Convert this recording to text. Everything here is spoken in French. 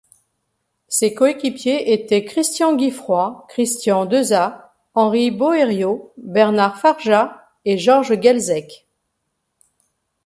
Ses coéquipiers étaient Christian Guiffroy, Christian Deuza, Henry Boério, Bernard Farjat et Georges Guelzec.